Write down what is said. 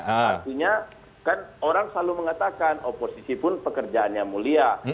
artinya kan orang selalu mengatakan oposisi pun pekerjaannya mulia